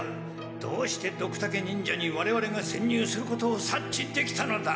どうしてドクタケ忍者にわれわれがせんにゅうすることを察知できたのだ？